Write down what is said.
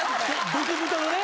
極太のね。